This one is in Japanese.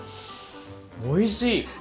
おいしい！